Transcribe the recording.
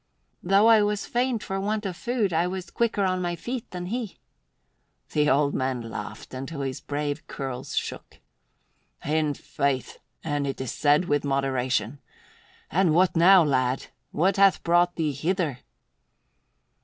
"Though I was faint for want of food, I was quicker on my feet than he." The old man laughed until his brave curls shook. "In faith, and it is said with moderation. And what now, lad? What hath brought thee hither?"